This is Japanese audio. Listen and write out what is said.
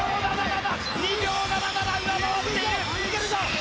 ２秒７７上回っている。